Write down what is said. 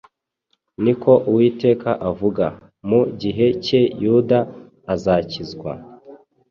Ni ko Uwiteka avuga. Mu gihe cye Yuda azakizwa,